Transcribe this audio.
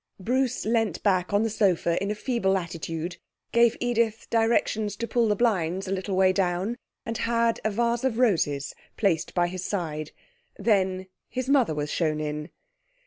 Bruce leant back on the sofa in a feeble attitude, gave Edith directions to pull the blinds a little way down, and had a vase of roses placed by his side. Then his mother was shown in.